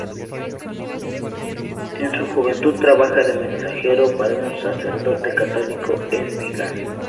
En su juventud trabaja de mensajero para un sacerdote católico en Vigan.